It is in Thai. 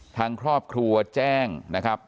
ทางครอบครัวแจ้งนะครับ